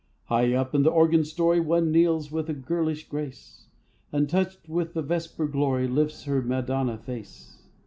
High up in the organ story One kneels with a girlish grace; And, touched with the vesper glory, Lifts her madonna face.